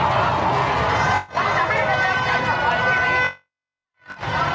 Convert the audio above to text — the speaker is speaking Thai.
ก็น่าจะมีการเปิดทางให้รถพยาบาลเคลื่อนต่อไปนะครับ